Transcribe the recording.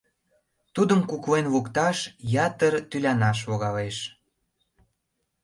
Тудым куклен лукташ ятыр тӱлянаш логалеш.